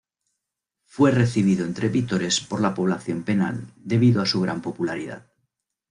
Fue recibido entre vítores por la población penal debido a su gran popularidad.